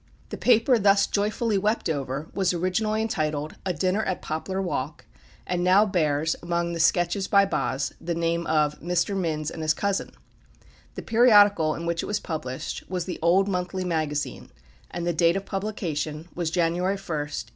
The paper thus joyfully wept over was originally entitled "A Dinner at Poplar Walk," and now bears, among the "Sketches by Boz," the name of "Mr. Minns and his Cousin"; the periodical in which it was published was The Old Monthly Magazine, and the date of publication was January 1, 1834.